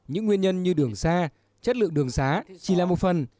những nguyên nhân như đường xa chất lượng đường xá chỉ là một phần